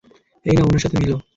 এই নাও উনার সাথে মিলো?